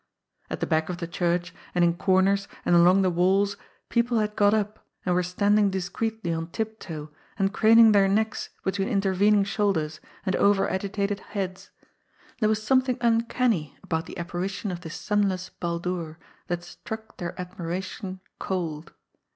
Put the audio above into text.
At the back of the church, and in comers and along the walls people had got up and were standing discreetly on tiptoe and craning their necks between intervening shoul ders and over agitated heads. There was something uncanny about the apparition of this sunless Baldur, that struck their admiration cold.